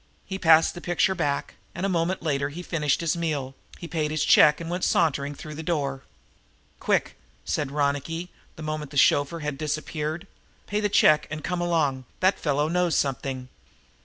He passed the picture back, and a moment later he finished his meal, paid his check and went sauntering through the door. "Quick!" said Ronicky, the moment the chauffeur had disappeared. "Pay the check and come along. That fellow knows something."